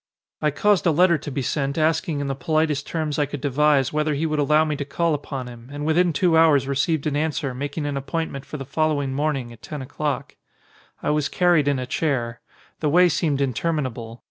I caused a letter to be sent asking in the politest terms I could devise whether he would allow me to call upon him and within two hours received an answer making an appointment for the following morning at ten o'clock. I was carried in a chair. The way seemed in terminable.